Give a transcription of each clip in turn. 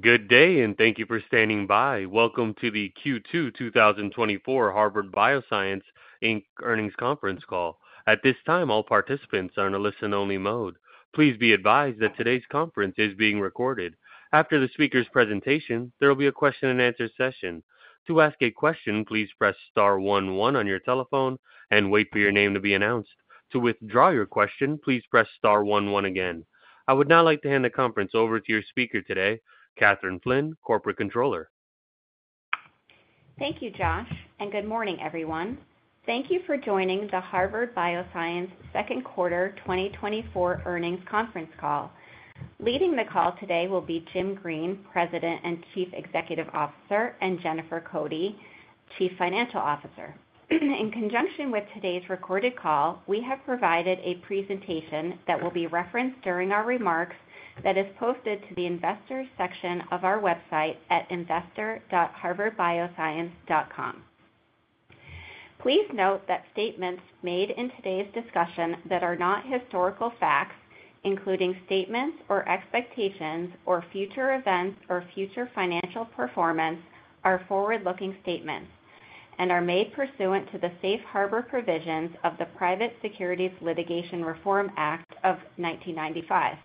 Good day, and thank you for standing by. Welcome to the Q2 2024 Harvard Bioscience Inc. Earnings Conference Call. At this time, all participants are in a listen-only mode. Please be advised that today's conference is being recorded. After the speaker's presentation, there will be a question-and-answer session. To ask a question, please press star one one on your telephone and wait for your name to be announced. To withdraw your question, please press star one one again. I would now like to hand the conference over to your speaker today, Kathryn Flynn, Corporate Controller. Thank you, Josh, and good morning, everyone. Thank you for joining the Harvard Bioscience second quarter 2024 earnings conference call. Leading the call today will be Jim Green, President and Chief Executive Officer, and Jennifer Cote, Chief Financial Officer. In conjunction with today's recorded call, we have provided a presentation that will be referenced during our remarks that is posted to the Investors section of our website at investor.harvardbioscience.com. Please note that statements made in today's discussion that are not historical facts, including statements or expectations or future events or future financial performance, are forward-looking statements and are made pursuant to the Safe Harbor provisions of the Private Securities Litigation Reform Act of 1995.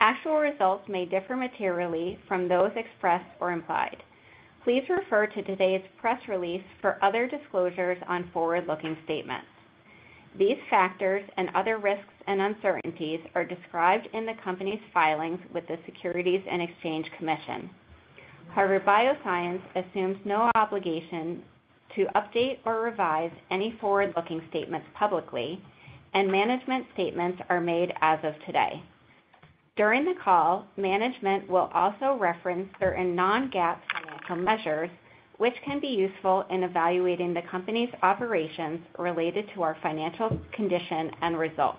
Actual results may differ materially from those expressed or implied. Please refer to today's press release for other disclosures on forward-looking statements. These factors and other risks and uncertainties are described in the company's filings with the Securities and Exchange Commission. Harvard Bioscience assumes no obligation to update or revise any forward-looking statements publicly, and management statements are made as of today. During the call, management will also reference certain non-GAAP financial measures, which can be useful in evaluating the company's operations related to our financial condition and results.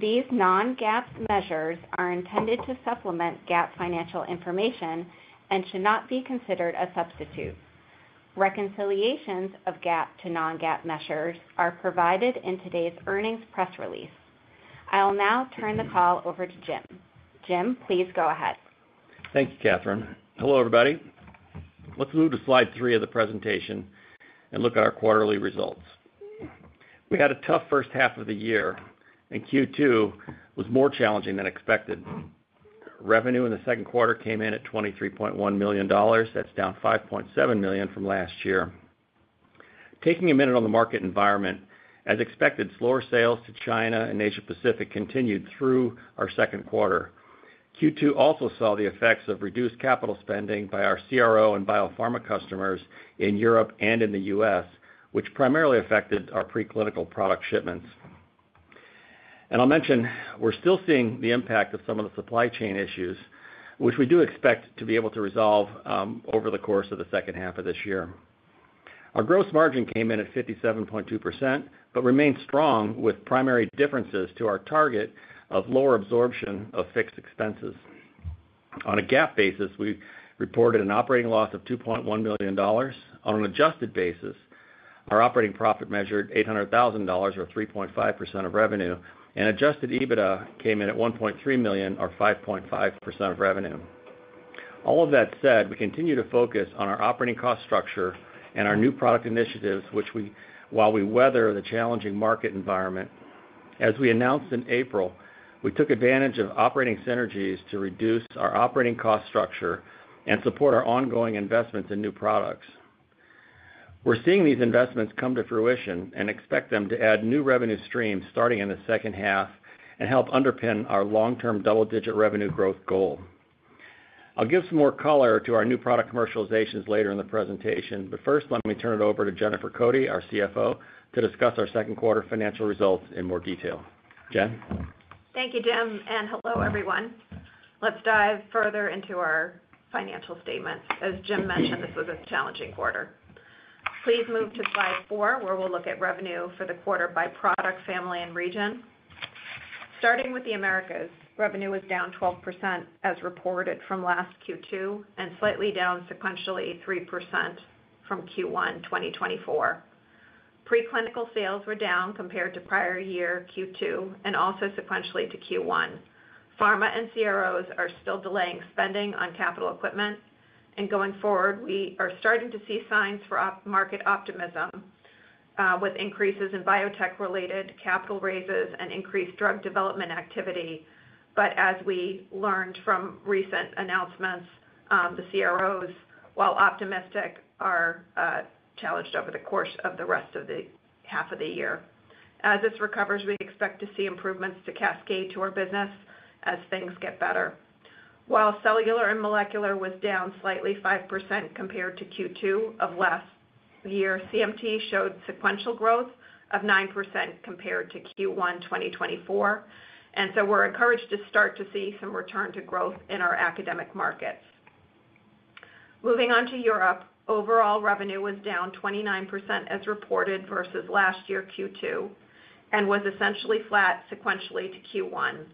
These non-GAAP measures are intended to supplement GAAP financial information and should not be considered a substitute. Reconciliations of GAAP to non-GAAP measures are provided in today's earnings press release. I'll now turn the call over to Jim. Jim, please go ahead. Thank you, Kathryn. Hello, everybody. Let's move to slide three of the presentation and look at our quarterly results. We had a tough first half of the year, and Q2 was more challenging than expected. Revenue in the second quarter came in at $23.1 million. That's down $5.7 million from last year. Taking a minute on the market environment, as expected, slower sales to China and Asia Pacific continued through our second quarter. Q2 also saw the effects of reduced capital spending by our CRO and biopharma customers in Europe and in the U.S., which primarily affected our preclinical product shipments. And I'll mention, we're still seeing the impact of some of the supply chain issues, which we do expect to be able to resolve, over the course of the second half of this year. Our gross margin came in at 57.2%, but remained strong, with primary differences to our target of lower absorption of fixed expenses. On a GAAP basis, we reported an operating loss of $2.1 million. On an adjusted basis, our operating profit measured $800,000, or 3.5% of revenue, and adjusted EBITDA came in at $1.3 million, or 5.5% of revenue. All of that said, we continue to focus on our operating cost structure and our new product initiatives, which, while we weather the challenging market environment. As we announced in April, we took advantage of operating synergies to reduce our operating cost structure and support our ongoing investments in new products. We're seeing these investments come to fruition and expect them to add new revenue streams starting in the second half and help underpin our long-term double-digit revenue growth goal. I'll give some more color to our new product commercializations later in the presentation, but first, let me turn it over to Jennifer Cote, our CFO, to discuss our second quarter financial results in more detail. Jen? Thank you, Jim, and hello, everyone. Let's dive further into our financial statements. As Jim mentioned, this was a challenging quarter. Please move to slide four, where we'll look at revenue for the quarter by product, family, and region. Starting with the Americas, revenue was down 12%, as reported from last Q2, and slightly down sequentially, 3% from Q1 2024. Preclinical sales were down compared to prior year Q2 and also sequentially to Q1. Pharma and CROs are still delaying spending on capital equipment, and going forward, we are starting to see signs for market optimism with increases in biotech-related capital raises and increased drug development activity. But as we learned from recent announcements, the CROs, while optimistic, are challenged over the course of the rest of the half of the year. As this recovers, we expect to see improvements to cascade to our business as things get better. While Cellular and Molecular was down slightly 5% compared to Q2 of last year, CMT showed sequential growth of 9% compared to Q1 2024, and so we're encouraged to start to see some return to growth in our academic markets. Moving on to Europe, overall revenue was down 29% as reported versus last year Q2 and was essentially flat sequentially to Q1.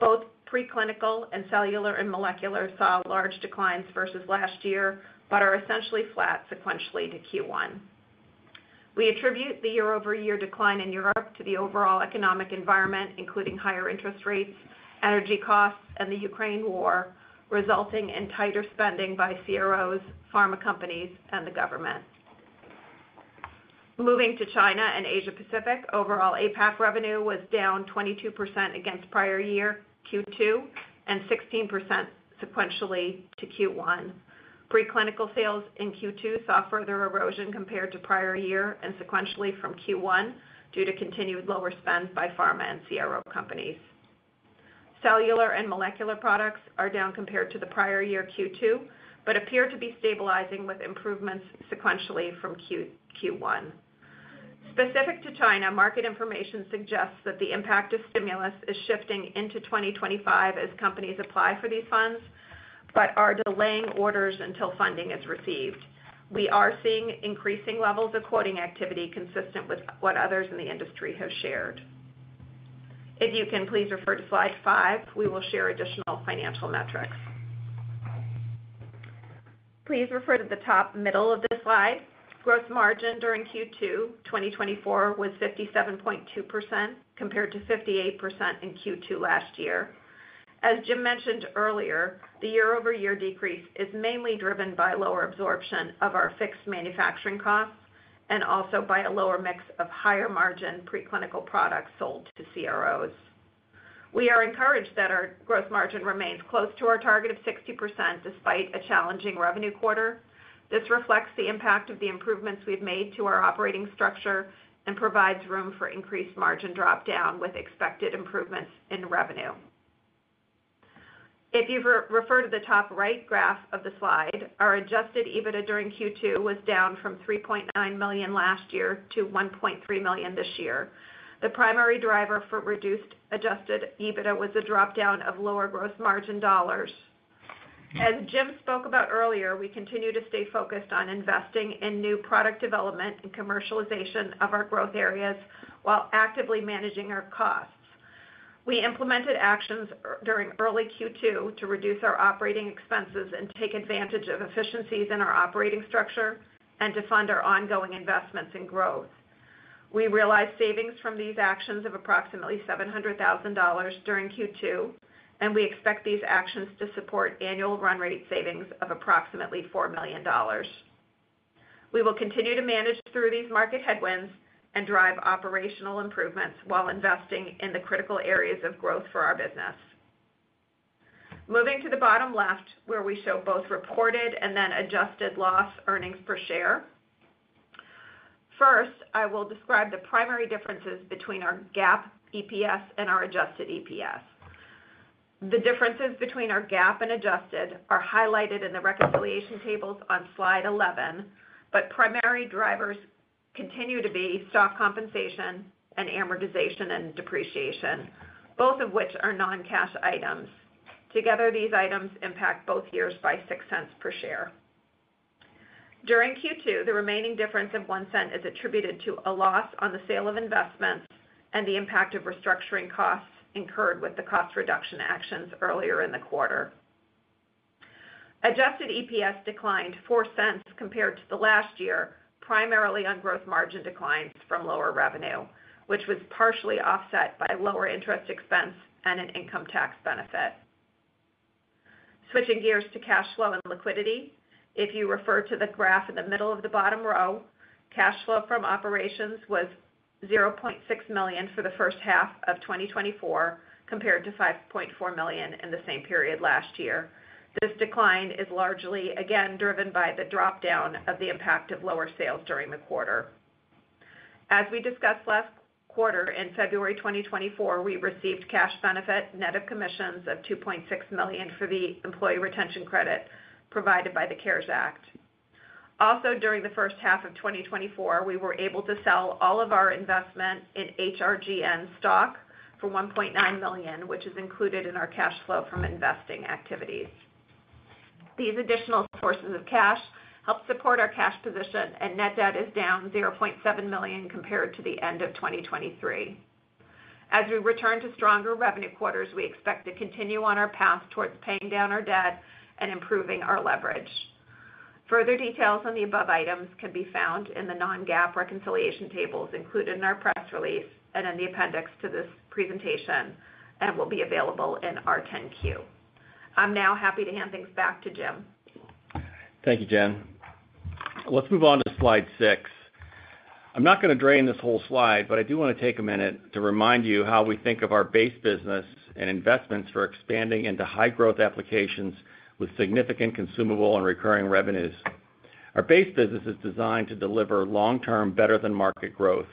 Both Preclinical and Cellular and Molecular saw large declines versus last year, but are essentially flat sequentially to Q1. We attribute the year-over-year decline in Europe to the overall economic environment, including higher interest rates, energy costs, and the Ukraine war, resulting in tighter spending by CROs, pharma companies, and the government. Moving to China and Asia Pacific, overall APAC revenue was down 22% against prior year Q2, and 16% sequentially to Q1. Preclinical sales in Q2 saw further erosion compared to prior year and sequentially from Q1 due to continued lower spend by pharma and CRO companies. Cellular and Molecular products are down compared to the prior year Q2, but appear to be stabilizing with improvements sequentially from Q1. Specific to China, market information suggests that the impact of stimulus is shifting into 2025 as companies apply for these funds, but are delaying orders until funding is received. We are seeing increasing levels of quoting activity consistent with what others in the industry have shared. If you can please refer to slide five, we will share additional financial metrics. Please refer to the top middle of this slide. Gross margin during Q2 2024 was 57.2%, compared to 58% in Q2 last year. As Jim mentioned earlier, the year-over-year decrease is mainly driven by lower absorption of our fixed manufacturing costs and also by a lower mix of higher-margin preclinical products sold to CROs. We are encouraged that our gross margin remains close to our target of 60% despite a challenging revenue quarter. This reflects the impact of the improvements we've made to our operating structure and provides room for increased margin drop-down with expected improvements in revenue. If you refer to the top right graph of the slide, our Adjusted EBITDA during Q2 was down from $3.9 million last year to $1.3 million this year. The primary driver for reduced Adjusted EBITDA was a drop-down of lower gross margin dollars. As Jim spoke about earlier, we continue to stay focused on investing in new product development and commercialization of our growth areas while actively managing our costs. We implemented actions during early Q2 to reduce our operating expenses and take advantage of efficiencies in our operating structure and to fund our ongoing investments in growth. We realized savings from these actions of approximately $700,000 during Q2, and we expect these actions to support annual run rate savings of approximately $4 million. We will continue to manage through these market headwinds and drive operational improvements while investing in the critical areas of growth for our business. Moving to the bottom left, where we show both reported and then adjusted loss earnings per share. First, I will describe the primary differences between our GAAP EPS and our adjusted EPS. The differences between our GAAP and adjusted are highlighted in the reconciliation tables on slide 11, but primary drivers continue to be stock compensation and amortization and depreciation, both of which are non-cash items. Together, these items impact both years by $0.06 per share. During Q2, the remaining difference of $0.01 is attributed to a loss on the sale of investments and the impact of restructuring costs incurred with the cost reduction actions earlier in the quarter. Adjusted EPS declined $0.04 compared to the last year, primarily on growth margin declines from lower revenue, which was partially offset by lower interest expense and an income tax benefit. Switching gears to cash flow and liquidity. If you refer to the graph in the middle of the bottom row, cash flow from operations was $0.6 million for the first half of 2024, compared to $5.4 million in the same period last year. This decline is largely, again, driven by the drop-down of the impact of lower sales during the quarter. As we discussed last quarter, in February 2024, we received cash benefit net of commissions of $2.6 million for the employee retention credit provided by the CARES Act. Also, during the first half of 2024, we were able to sell all of our investment in HRGN stock for $1.9 million, which is included in our cash flow from investing activities. These additional sources of cash help support our cash position, and net debt is down $0.7 million compared to the end of 2023. As we return to stronger revenue quarters, we expect to continue on our path towards paying down our debt and improving our leverage. Further details on the above items can be found in the non-GAAP reconciliation tables included in our press release and in the appendix to this presentation, and will be available in our 10-Q. I'm now happy to hand things back to Jim. Thank you, Jen. Let's move on to slide six. I'm not gonna drone on this whole slide, but I do want to take a minute to remind you how we think of our base business and investments for expanding into high growth applications with significant consumable and recurring revenues. Our base business is designed to deliver long-term, better-than-market growth.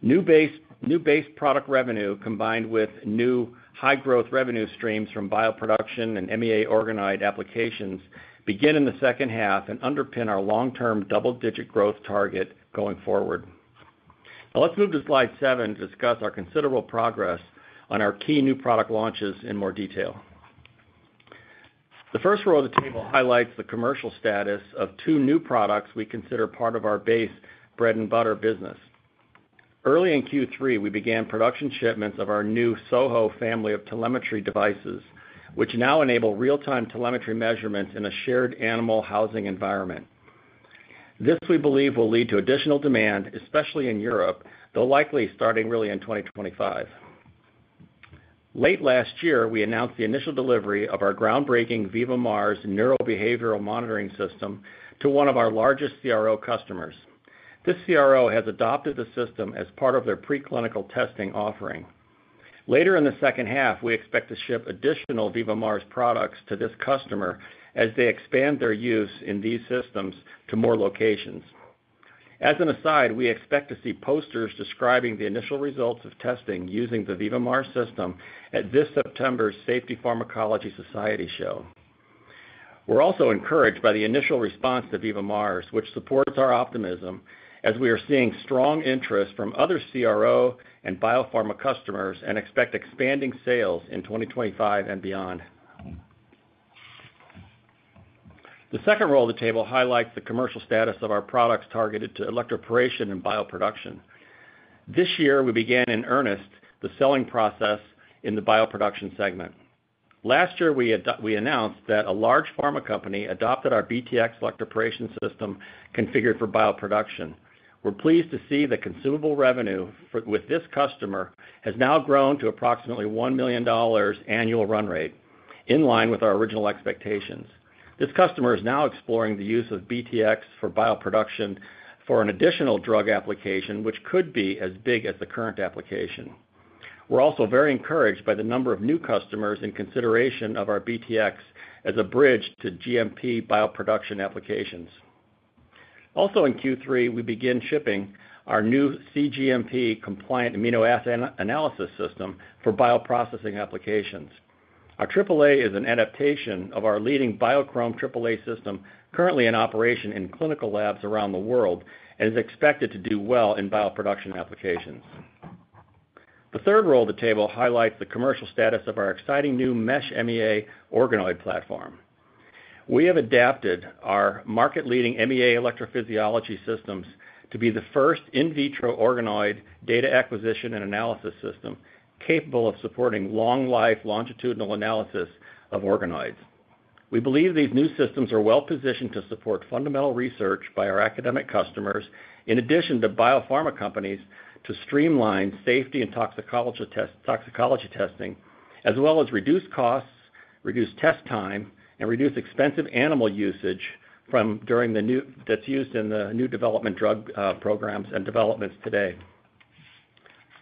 New base, new base product revenue, combined with new high-growth revenue steams from bioproduction and MEA organoid applications, begin in the second half and underpin our long-term double-digit growth target going forward. Now let's move to slide seven to discuss our considerable progress on our key new product launches in more detail. The first row of the table highlights the commercial status of two new products we consider part of our base bread-and-butter business. Early in Q3, we began production shipments of our new SoHo family of telemetry devices, which now enable real-time telemetry measurements in a shared animal housing environment. This, we believe, will lead to additional demand, especially in Europe, though likely starting really in 2025. Late last year, we announced the initial delivery of our groundbreaking VivaMARS neurobehavioral monitoring system to one of our largest CRO customers. This CRO has adopted the system as part of their preclinical testing offering. Later in the second half, we expect to ship additional VivaMARS products to this customer as they expand their use in these systems to more locations. As an aside, we expect to see posters describing the initial results of testing using the VivaMARS system at this September's Safety Pharmacology Society show. We're also encouraged by the initial response to VivaMARS, which supports our optimism as we are seeing strong interest from other CRO and biopharma customers and expect expanding sales in 2025 and beyond. The second row of the table highlights the commercial status of our products targeted to electroporation and bioproduction. This year, we began in earnest the selling process in the bioproduction segment. Last year, we announced that a large pharma company adopted our BTX electroporation system configured for bioproduction. We're pleased to see the consumable revenue with this customer has now grown to approximately $1 million annual run rate, in line with our original expectations. This customer is now exploring the use of BTX for bioproduction for an additional drug application, which could be as big as the current application. We're also very encouraged by the number of new customers in consideration of our BTX as a bridge to GMP bioproduction applications. Also, in Q3, we begin shipping our new cGMP-compliant amino acid analysis system for bioprocessing applications. Our AAA is an adaptation of our leading Biochrom AAA system, currently in operation in clinical labs around the world, and is expected to do well in bioproduction applications. The third row of the table highlights the commercial status of our exciting new Mesh MEA organoid platform. We have adapted our market-leading MEA electrophysiology systems to be the first in vitro organoid data acquisition and analysis system, capable of supporting long-life longitudinal analysis of organoids. We believe these new systems are well positioned to support fundamental research by our academic customers, in addition to biopharma companies, to streamline safety and toxicology testing, as well as reduce costs, reduce test time, and reduce expensive animal usage that's used in the new development drug programs and developments today.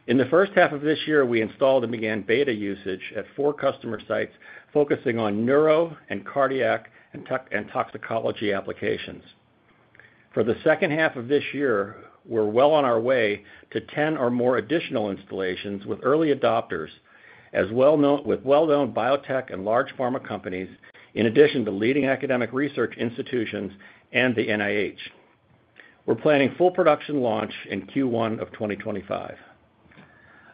In the first half of this year, we installed and began beta usage at four customer sites, focusing on neuro and cardiac and toxicology applications. For the second half of this year, we're well on our way to 10 or more additional installations with early adopters, with well-known biotech and large pharma companies, in addition to leading academic research institutions and the NIH. We're planning full production launch in Q1 of 2025.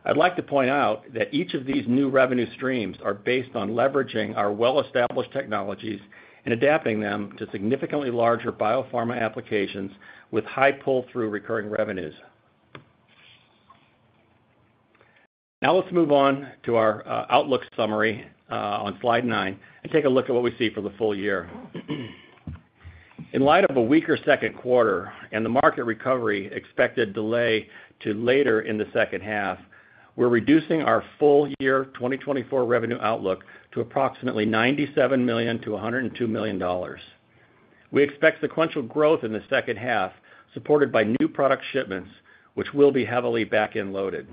I'd like to point out that each of these new revenue streams are based on leveraging our well-established technologies and adapting them to significantly larger biopharma applications with high pull-through recurring revenues. Now, let's move on to our outlook summary on slide nine, and take a look at what we see for the full year. In light of a weaker second quarter and the market recovery expected delay to later in the second half, we're reducing our full year 2024 revenue outlook to approximately $97 million-$102 million. We expect sequential growth in the second half, supported by new product shipments, which will be heavily back-end loaded.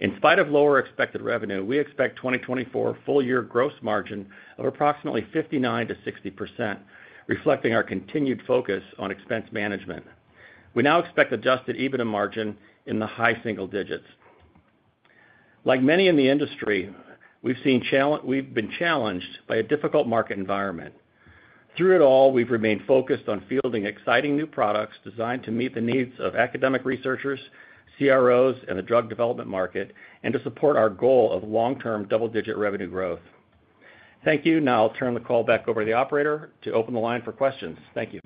In spite of lower expected revenue, we expect 2024 full year gross margin of approximately 59%-60%, reflecting our continued focus on expense management. We now expect Adjusted EBITDA margin in the high single digits. Like many in the industry, we've been challenged by a difficult market environment. Through it all, we've remained focused on fielding exciting new products designed to meet the needs of academic researchers, CROs, and the drug development market, and to support our goal of long-term double-digit revenue growth. Thank you. Now I'll turn the call back over to the operator to open the line for questions. Thank you.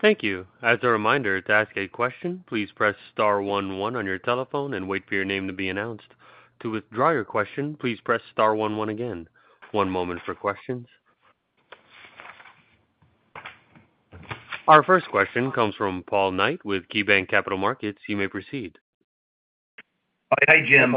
Thank you. As a reminder, to ask a question, please press star one one on your telephone and wait for your name to be announced. To withdraw your question, please press star one one again. One moment for questions. Our first question comes from Paul Knight with KeyBanc Capital Markets. You may proceed. Hi, Jim.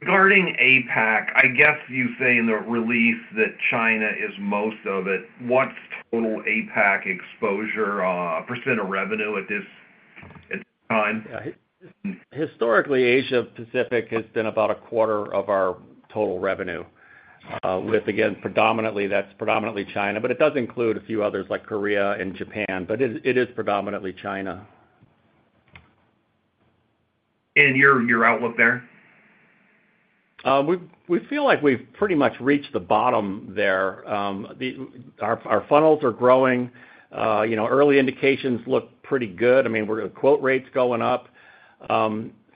Regarding APAC, I guess you say in the release that China is most of it. What's total APAC exposure, percent of revenue at this time? Historically, Asia Pacific has been about a quarter of our total revenue, with again, predominantly, that's predominantly China, but it does include a few others, like Korea and Japan, but it is, it is predominantly China. Your outlook there? We feel like we've pretty much reached the bottom there. Our funnels are growing. You know, early indications look pretty good. I mean, we're at quote rates going up.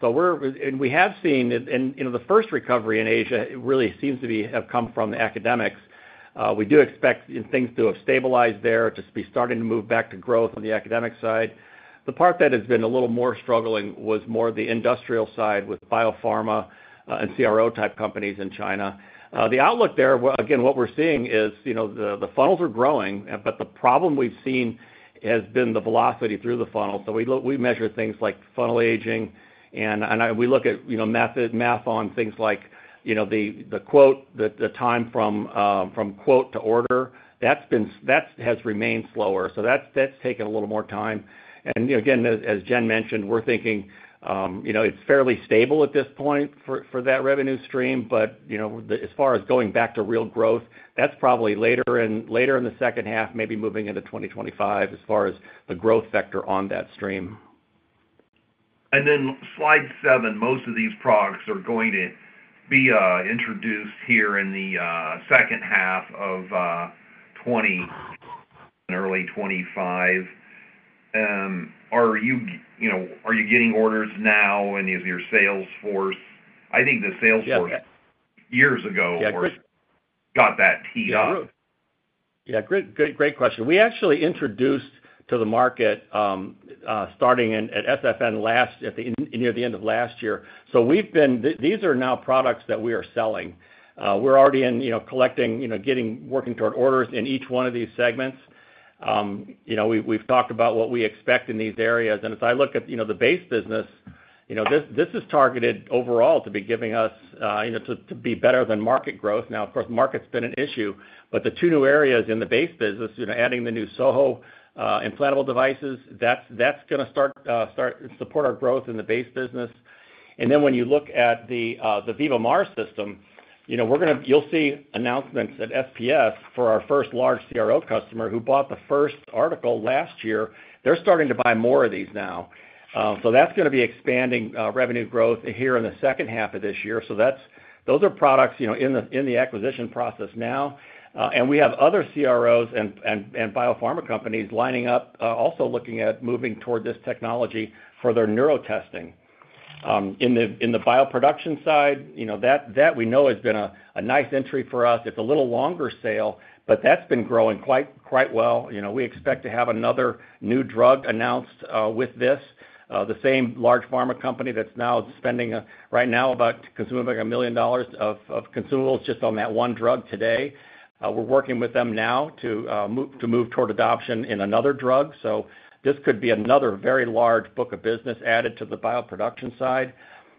And we have seen it, and you know, the first recovery in Asia. It really seems to have come from academics. We do expect things to have stabilized there, to be starting to move back to growth on the academic side. The part that has been a little more struggling was more the industrial side, with biopharma and CRO-type companies in China. The outlook there, well, again, what we're seeing is you know, the funnels are growing, but the problem we've seen has been the velocity through the funnel. So we look, we measure things like funnel aging, and we look at, you know, method, math on things like, you know, the quote, the time from quote to order. That's been, that has remained slower, so that's taken a little more time. And, you know, again, as Jen mentioned, we're thinking, you know, it's fairly stable at this point for that revenue stream. But, you know, as far as going back to real growth, that's probably later in, later in the second half, maybe moving into 2025, as far as the growth sector on that stream. And then slide seven, most of these products are going to be introduced here in the second half of 2020 and early 2025. Are you, you know, are you getting orders now, any of your sales force? I think the sales force- Yeah. -years ago- Yeah, good- Got that teed up. Yeah, great, great, great question. We actually introduced to the market starting in at SfN last, at the end, near the end of last year. So we've been. These are now products that we are selling. We're already in, you know, collecting, you know, getting, working toward orders in each one of these segments. You know, we've, we've talked about what we expect in these areas. And as I look at, you know, the base business, you know, this, this is targeted overall to be giving us, you know, to, to be better than market growth. Now, of course, market's been an issue, but the two new areas in the base business, you know, adding the new SoHo implantable devices, that's, that's gonna start, start, support our growth in the base business. And then when you look at the VivaMARS system, you know, we're gonna. You'll see announcements at SPS for our first large CRO customer, who bought the first article last year. They're starting to buy more of these now. So that's gonna be expanding revenue growth here in the second half of this year. So that's. Those are products, you know, in the acquisition process now. And we have other CROs and biopharma companies lining up, also looking at moving toward this technology for their neuro testing. In the bioproduction side, you know, that we know has been a nice entry for us. It's a little longer sale, but that's been growing quite well. You know, we expect to have another new drug announced with this. The same large pharma company that's now spending, right now, about consuming, like, $1 million of consumables just on that one drug today. We're working with them now to move toward adoption in another drug. So this could be another very large book of business added to the bioproduction side.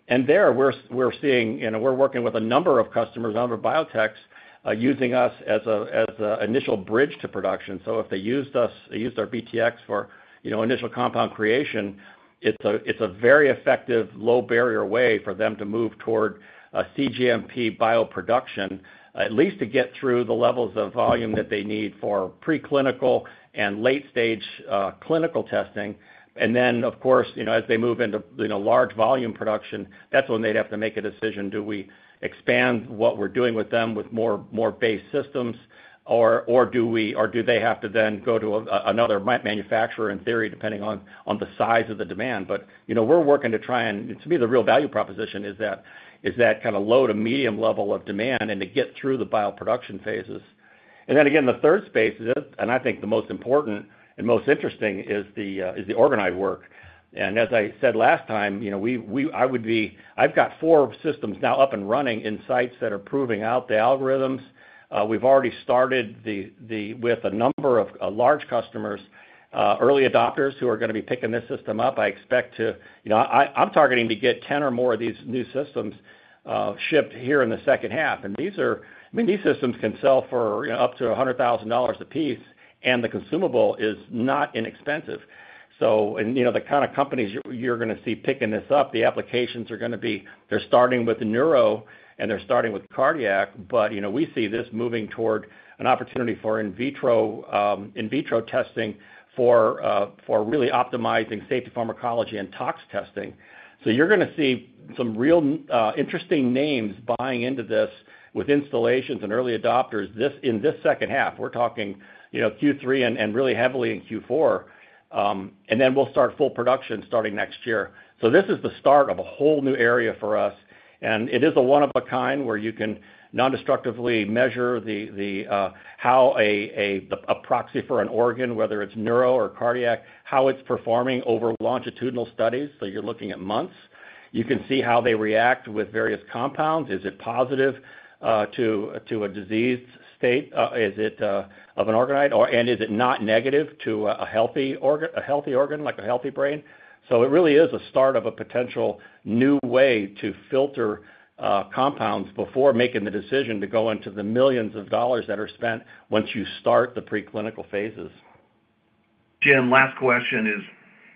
And there, we're seeing... You know, we're working with a number of customers, a number of biotechs, using us as a initial bridge to production. So if they used us, they used our BTX for, you know, initial compound creation, it's a very effective, low-barrier way for them to move toward a cGMP bioproduction, at least to get through the levels of volume that they need for preclinical and late-stage clinical testing. And then, of course, you know, as they move into, you know, large volume production, that's when they'd have to make a decision: Do we expand what we're doing with them with more, more base systems? Or, or do we-- or do they have to then go to a, another manufacturer, in theory, depending on, on the size of the demand? But, you know, we're working to try and... To me, the real value proposition is that, is that kind of low to medium level of demand and to get through the bioproduction phases. And then again, the third space, and I think the most important and most interesting, is the organoid work. And as I said last time, you know, we-- I've got four systems now up and running in sites that are proving out the algorithms. We've already started with a number of large customers, early adopters, who are gonna be picking this system up. I expect to. You know, I'm targeting to get 10 or more of these new systems shipped here in the second half. And these are, I mean, these systems can sell for, you know, up to $100,000 apiece, and the consumable is not inexpensive. So, you know, the kind of companies you're gonna see picking this up, the applications are gonna be, they're starting with neuro, and they're starting with cardiac. But, you know, we see this moving toward an opportunity for in vitro, in vitro testing for really optimizing safety pharmacology and tox testing. So you're gonna see some real interesting names buying into this with installations and early adopters this, in this second half. We're talking, you know, Q3 and really heavily in Q4. And then we'll start full production starting next year. So this is the start of a whole new area for us, and it is a one of a kind, where you can nondestructively measure how a proxy for an organ, whether it's neuro or cardiac, how it's performing over longitudinal studies, so you're looking at months. You can see how they react with various compounds. Is it positive to a diseased state? Is it of an organoid or, and is it not negative to a healthy organ, a healthy organ, like a healthy brain? It really is a start of a potential new way to filter compounds before making the decision to go into the $ millions that are spent once you start the preclinical phases. Jim, last question is: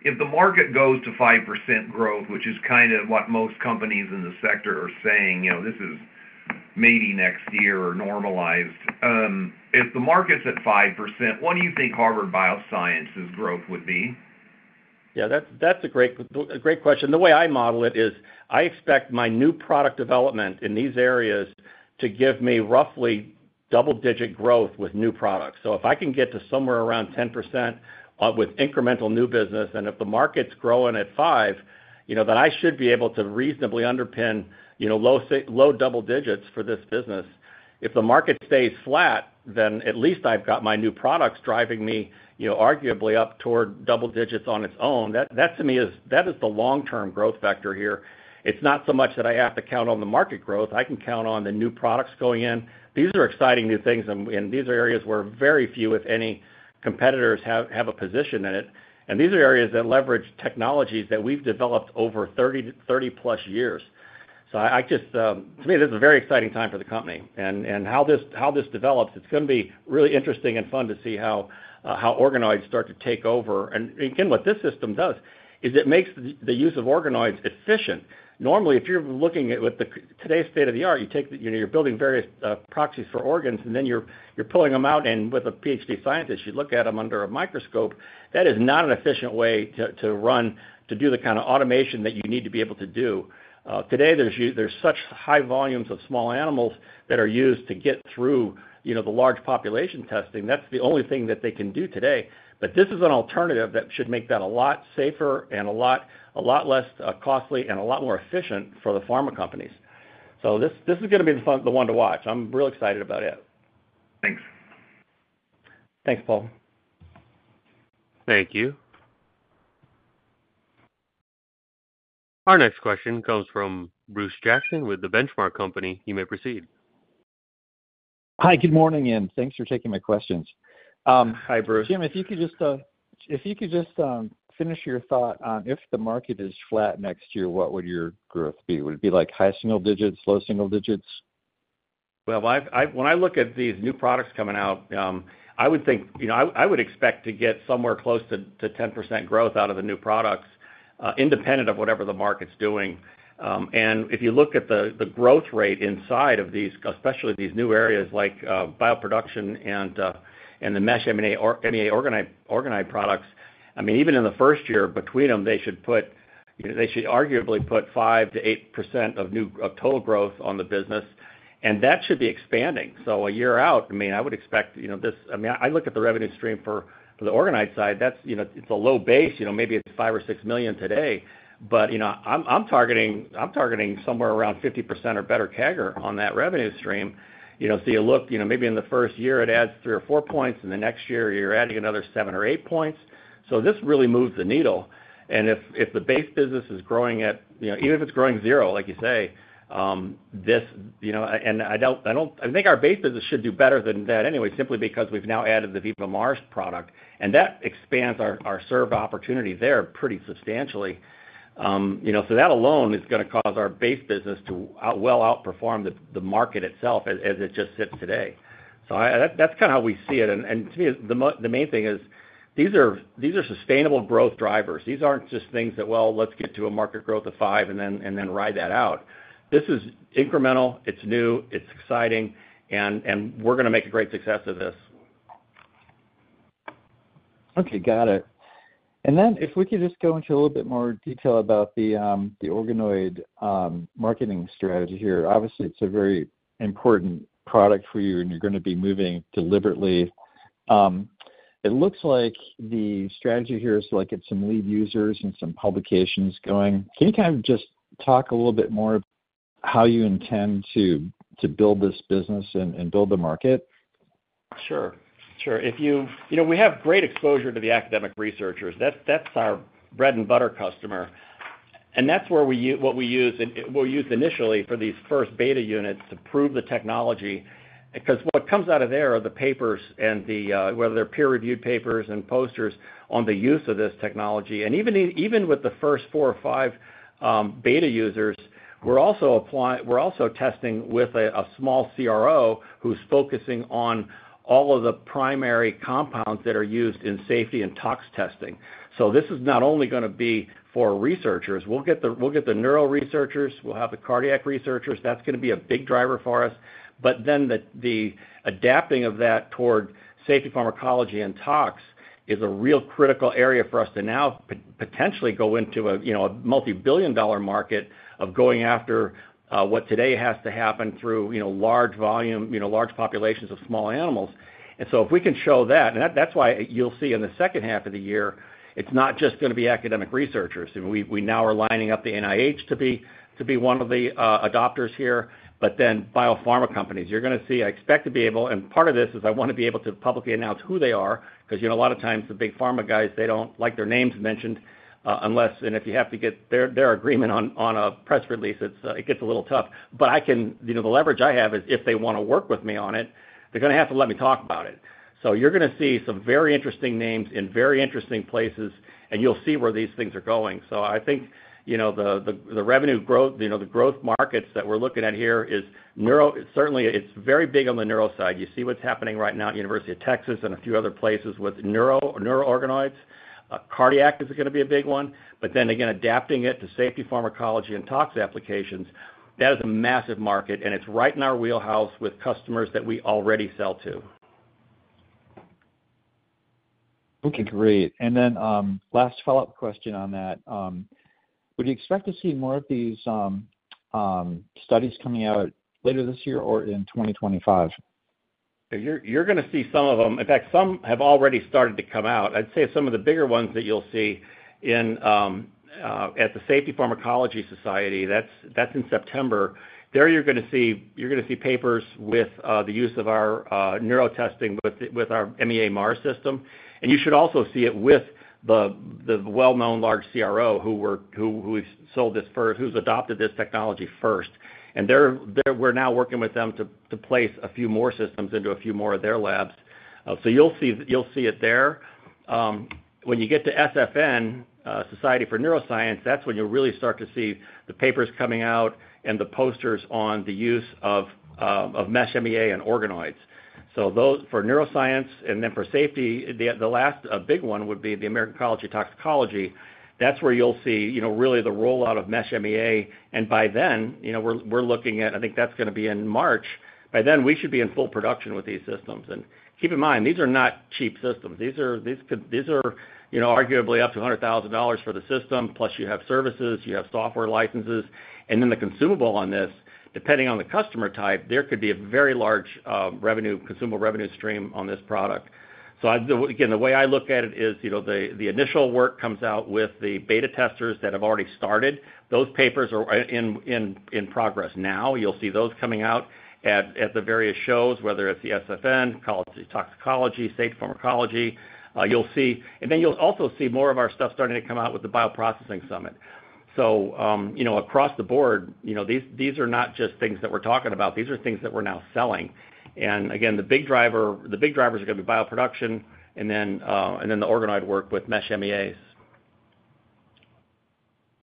If the market goes to 5% growth, which is kind of what most companies in the sector are saying, you know, this is maybe next year or normalized. If the market's at 5%, what do you think Harvard Bioscience's growth would be? Yeah, that's a great question. The way I model it is, I expect my new product development in these areas to give me roughly double-digit growth with new products. So if I can get to somewhere around 10%, with incremental new business, and if the market's growing at 5%, you know, then I should be able to reasonably underpin, you know, low double digits for this business. If the market stays flat, then at least I've got my new products driving me, you know, arguably up toward double digits on its own. That to me is the long-term growth factor here. It's not so much that I have to count on the market growth, I can count on the new products going in. These are exciting new things, and these are areas where very few, if any, competitors have a position in it. And these are areas that leverage technologies that we've developed over 30+ years. So I just, to me, this is a very exciting time for the company. And how this develops, it's gonna be really interesting and fun to see how organoids start to take over. And again, what this system does is it makes the use of organoids efficient. Normally, if you're looking at with today's state-of-the-art, you know, you're building various proxies for organs, and then you're pulling them out, and with a Ph.D. scientist, you look at them under a microscope. That is not an efficient way to, to run, to do the kind of automation that you need to be able to do. Today, there's such high volumes of small animals that are used to get through, you know, the large population testing. That's the only thing that they can do today. But this is an alternative that should make that a lot safer and a lot, a lot less costly and a lot more efficient for the pharma companies. So this, this is gonna be the one to watch. I'm real excited about it. Thanks. Thanks, Paul. Thank you. Our next question comes from Bruce Jackson with The Benchmark Company. You may proceed. Hi, good morning, and thanks for taking my questions. Hi, Bruce. Jim, if you could just finish your thought on, if the market is flat next year, what would your growth be? Would it be like high single digits, low single digits? Well, I've, when I look at these new products coming out, I would think. You know, I would expect to get somewhere close to 10% growth out of the new products, independent of whatever the market's doing. And if you look at the growth rate inside of these, especially these new areas like bioproduction and the Mesh MEA organoid products, I mean, even in the first year, between them, they should put, you know, they should arguably put 5%-8% of total growth on the business, and that should be expanding. So a year out, I mean, I would expect, you know, I mean, I look at the revenue stream for the organoid side, that's, you know, it's a low base. You know, maybe it's $5 million-$6 million today, but, you know, I'm, I'm targeting, I'm targeting somewhere around 50% or better CAGR on that revenue stream. You know, so you look, you know, maybe in the first year, it adds three or four points. In the next year, you're adding another seven or eight points. So this really moves the needle. And if, if the base business is growing at, you know, even if it's growing zero, like you say, this, you know. And I don't, I don't. I think our base business should do better than that anyway, simply because we've now added the VivaMARS product, and that expands our, our served opportunity there pretty substantially. You know, so that alone is gonna cause our base business to out, well, outperform the, the market itself as, as it just sits today. So, that's kinda how we see it. And to me, the main thing is, these are sustainable growth drivers. These aren't just things that, well, let's get to a market growth of five and then ride that out. This is incremental, it's new, it's exciting, and we're gonna make a great success of this. Okay, got it. And then if we could just go into a little bit more detail about the organoid marketing strategy here. Obviously, it's a very important product for you, and you're gonna be moving deliberately. It looks like the strategy here is to, like, get some lead users and some publications going. Can you kind of just talk a little bit more of how you intend to build this business and build the market? Sure. Sure. If you... You know, we have great exposure to the academic researchers. That's, that's our bread and butter customer, and that's where we what we use, and we'll use initially for these first beta units to prove the technology. Because what comes out of there are the papers and the, whether they're peer-reviewed papers and posters on the use of this technology. And even in, even with the first four or five, beta users, we're also we're also testing with a, a small CRO, who's focusing on all of the primary compounds that are used in safety and tox testing. So this is not only gonna be for researchers. We'll get the, we'll get the neural researchers, we'll have the cardiac researchers. That's gonna be a big driver for us. But then the adapting of that toward Safety Pharmacology and tox is a real critical area for us to now potentially go into a, you know, a multibillion-dollar market of going after, what today has to happen through, you know, large volume, you know, large populations of small animals. And so if we can show that, and that's why you'll see in the second half of the year, it's not just gonna be academic researchers. And we, we now are lining up the NIH to be, to be one of the, adopters here, but then biopharma companies. You're gonna see, I expect to be able... And part of this is I wanna be able to publicly announce who they are, 'cause, you know, a lot of times, the big pharma guys, they don't like their names mentioned, unless, and if you have to get their, their agreement on, on a press release, it's, it gets a little tough. But I can, you know, the leverage I have is if they wanna work with me on it, they're gonna have to let me talk about it. So you're gonna see some very interesting names in very interesting places, and you'll see where these things are going. So I think, you know, the revenue growth, you know, the growth markets that we're looking at here is neural—certainly, it's very big on the neural side. You see what's happening right now at University of Texas and a few other places with neural organoids. Cardiac is gonna be a big one, but then again, adapting it to safety pharmacology and tox applications, that is a massive market, and it's right in our wheelhouse with customers that we already sell to. Okay, great. And then, last follow-up question on that. Would you expect to see more of these studies coming out later this year or in 2025? You're gonna see some of them. In fact, some have already started to come out. I'd say some of the bigger ones that you'll see at the Safety Pharmacology Society, that's in September. There you're gonna see papers with the use of our neurotesting with our VivaMARS system. And you should also see it with the well-known large CRO, who sold this first, who's adopted this technology first. And they're, we're now working with them to place a few more systems into a few more of their labs. So you'll see it there. When you get to SfN, Society for Neuroscience, that's when you'll really start to see the papers coming out and the posters on the use of Mesh MEA and organoids. So those for neuroscience and then for safety, the last big one would be the American College of Toxicology. That's where you'll see, you know, really the rollout of Mesh MEA, and by then, you know, we're looking at... I think that's gonna be in March. By then, we should be in full production with these systems. And keep in mind, these are not cheap systems. These are, you know, arguably up to $100,000 for the system, plus you have services, you have software licenses, and then the consumable on this, depending on the customer type, there could be a very large revenue-consumable revenue stream on this product. Again, the way I look at it is, you know, the initial work comes out with the beta testers that have already started. Those papers are in progress now. You'll see those coming out at the various shows, whether it's the SfN, College of Toxicology, Safety Pharmacology. You'll see. And then you'll also see more of our stuff starting to come out with the Bioprocessing Summit. So, you know, across the board, you know, these, these are not just things that we're talking about, these are things that we're now selling. And again, the big driver, the big drivers are gonna be bioproduction and then, and then the organoid work with Mesh MEAs.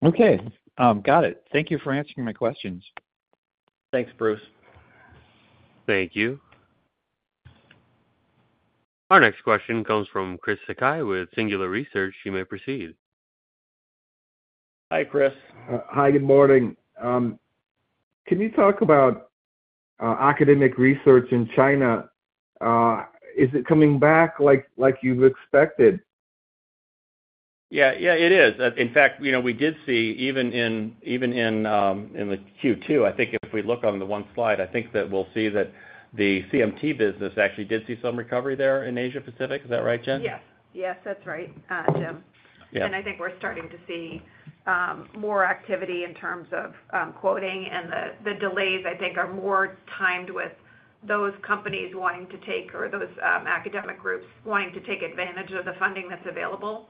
Okay. Got it. Thank you for answering my questions. Thanks, Bruce. Thank you. Our next question comes from Chris Sakai with Singular Research. You may proceed. Hi, Chris. Hi, good morning. Can you talk about academic research in China? Is it coming back like you've expected? Yeah. Yeah, it is. In fact, you know, we did see, even in, even in, in the Q2, I think if we look on the one slide, I think that we'll see that the CMT business actually did see some recovery there in Asia Pacific. Is that right, Jen? Yes. Yes, that's right, Jim. Yeah. I think we're starting to see more activity in terms of quoting and the, the delays, I think, are more timed with those companies wanting to take, or those academic groups wanting to take advantage of the funding that's available.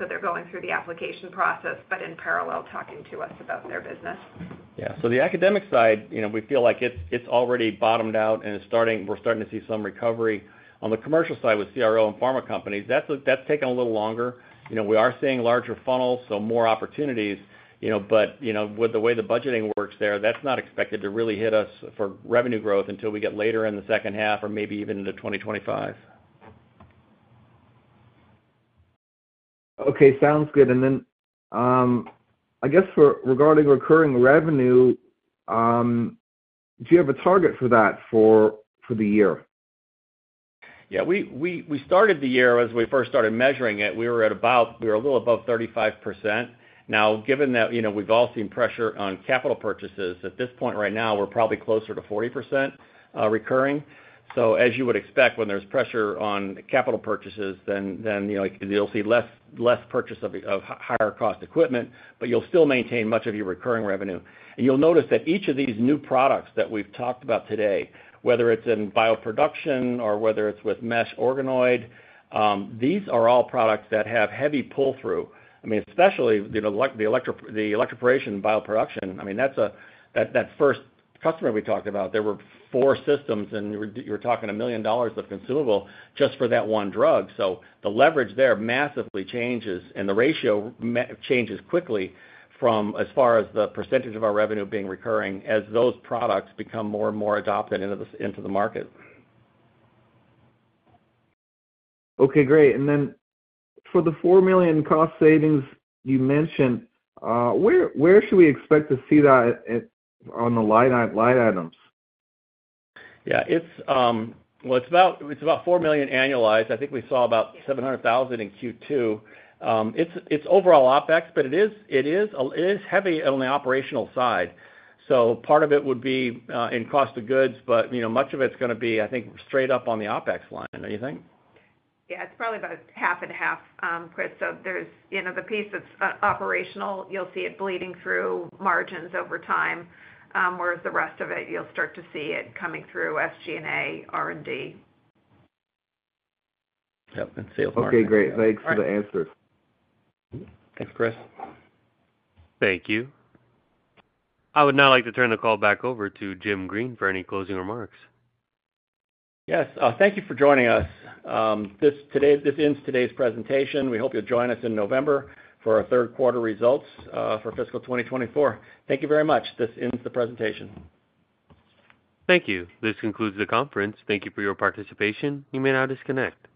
So they're going through the application process, but in parallel, talking to us about their business. Yeah. So the academic side, you know, we feel like it's, it's already bottomed out, and it's starting-- we're starting to see some recovery. On the commercial side with CRO and pharma companies, that's, that's taking a little longer. You know, we are seeing larger funnels, so more opportunities, you know, but, you know, with the way the budgeting works there, that's not expected to really hit us for revenue growth until we get later in the second half or maybe even into 2025. Okay, sounds good. And then, I guess for regarding recurring revenue, do you have a target for that for the year? Yeah, we started the year, as we first started measuring it, we were at about—we were a little above 35%. Now, given that, you know, we've all seen pressure on capital purchases, at this point, right now, we're probably closer to 40% recurring. So as you would expect, when there's pressure on capital purchases, then, you know, you'll see less purchase of higher cost equipment, but you'll still maintain much of your recurring revenue. And you'll notice that each of these new products that we've talked about today, whether it's in bioproduction or whether it's with mesh organoid, these are all products that have heavy pull-through. I mean, especially, you know, the electroporation bioproduction, I mean, that's a, that first customer we talked about, there were four systems, and you were talking $1 million of consumables just for that one drug. So the leverage there massively changes, and the ratio changes quickly from, as far as the percentage of our revenue being recurring, as those products become more and more adopted into the market. Okay, great. And then for the $4 million cost savings you mentioned, where should we expect to see that at, on the line items? Yeah, it's about $4 million annualized. I think we saw about $700,000 in Q2. It's overall OpEx, but it is heavy on the operational side, so part of it would be in cost of goods, but, you know, much of it's gonna be, I think, straight up on the OpEx line. Don't you think? Yeah, it's probably about half and half, Chris. So there's, you know, the piece that's operational, you'll see it bleeding through margins over time, whereas the rest of it, you'll start to see it coming through SG&A, R&D. Yep, and sales. Okay, great. Thanks for the answers. Thanks, Chris. Thank you. I would now like to turn the call back over to Jim Green for any closing remarks. Yes, thank you for joining us. This ends today's presentation. We hope you'll join us in November for our third quarter results for fiscal 2024. Thank you very much. This ends the presentation. Thank you. This concludes the conference. Thank you for your participation. You may now disconnect.